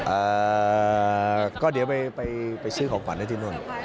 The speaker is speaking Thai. เอ่อก็เดี๋ยวไปซื้อขวัญให้ที่นั่น